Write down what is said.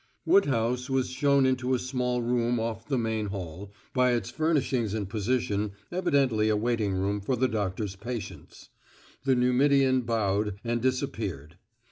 Woodhouse was shown into a small room off the main hall, by its furnishings and position evidently a waiting room for the doctor's patients. The Numidian bowed, and disappeared.